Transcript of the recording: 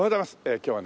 今日はね